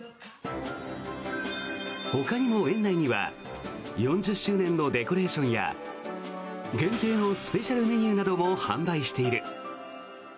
ほかにも園内には４０周年のデコレーションや限定のスペシャルメニューなども販売している。